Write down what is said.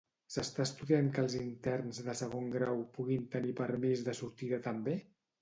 S'està estudiant que els interns de segon grau puguin tenir permís de sortida també?